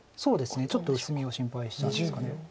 ちょっと薄みを心配したんですか。